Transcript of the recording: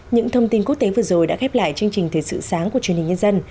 những thông tin quốc tế vừa rồi đã khép lại chương trình thời sự sáng của truyền hình nhân dân